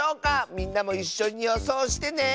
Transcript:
みんなもいっしょによそうしてね！